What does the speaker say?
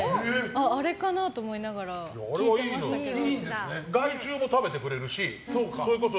あれかなと思いながら聞いてましたけど。